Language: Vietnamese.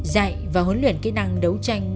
dạy và huấn luyện kỹ năng đấu tranh